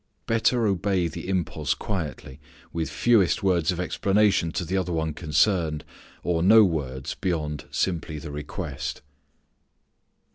Better obey the impulse quietly, with fewest words of explanation to the other one concerned, or no words beyond simply the request.